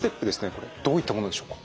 これどういったものでしょうか。